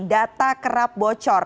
data kerap bocor